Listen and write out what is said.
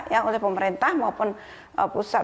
ya oleh pemerintah maupun pusat